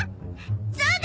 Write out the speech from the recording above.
そうだ！